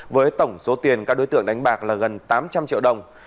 với tổng số tiền các đối tượng đánh bạc là gần tám trăm linh triệu đồng